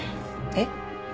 「えっ？」